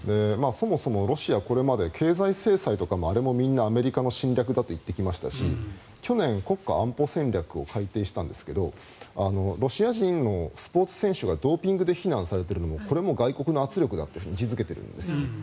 そもそもロシアはこれまで経済制裁もアメリカの侵略だと言ってきましたし去年、国家安保戦略を改定したんですけどロシア人のスポーツ選手がドーピングで非難されているのも外国の圧力だって位置付けているんです。